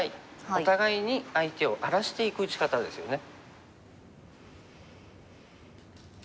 お互いに相手を荒らしていく打ち方ですよね。